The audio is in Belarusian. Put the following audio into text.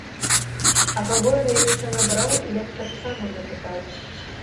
А каго ён яшчэ набраў, я б таксама запытаўся.